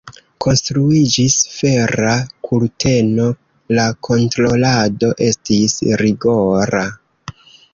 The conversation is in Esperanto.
Konstruiĝis Fera kurteno, la kontrolado estis rigora.